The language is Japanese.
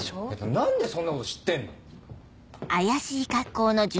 何でそんなこと知ってんの？